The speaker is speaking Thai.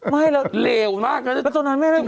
ไม่เลวมากนะ